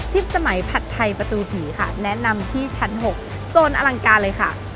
สมัยผัดไทยประตูผีค่ะแนะนำที่ชั้น๖โซนอลังการเลยค่ะ